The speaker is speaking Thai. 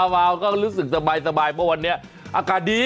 วาวก็รู้สึกสบายเพราะวันนี้อากาศดี